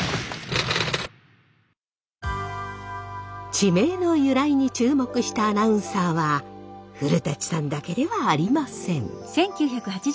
地名の由来に注目したアナウンサーは古さんだけではありません。